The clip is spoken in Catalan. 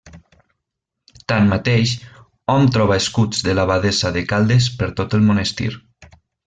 Tanmateix hom troba escuts de l'abadessa de Caldes per tot el monestir.